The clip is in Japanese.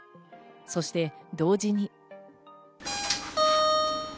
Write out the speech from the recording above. そして同時に。